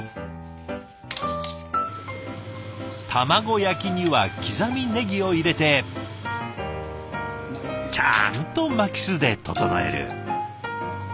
卵焼きには刻みねぎを入れてちゃんと巻きすで整える。